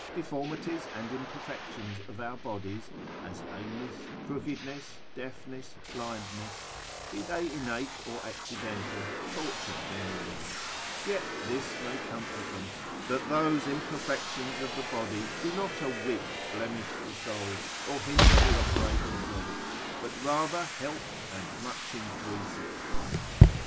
Deformities and imperfections of our bodies, as lameness, crookedness, deafness, blindness, be they innate or accidental, torture many men: yet this may comfort them, that those imperfections of the body do not a whit blemish the soul, or hinder the operations of it, but rather help and much increase it.